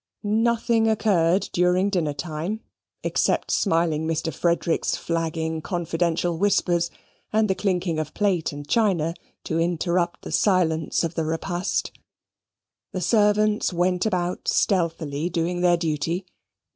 Nothing occurred during dinner time except smiling Mr. Frederick's flagging confidential whispers, and the clinking of plate and china, to interrupt the silence of the repast. The servants went about stealthily doing their duty.